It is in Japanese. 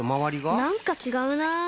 なんかちがうな。